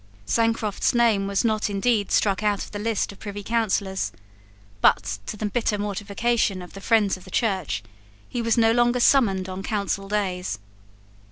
Sancroft's name was not indeed struck out of the list of Privy Councillors: but, to the bitter mortification of the friends of the Church, he was no longer summoned on Council days.